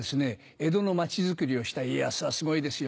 江戸の町づくりをした家康はすごいですよ。